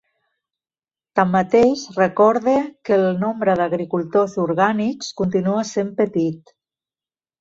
Tanmateix, recorde que el nombre d'agricultors orgànics continua sent petit.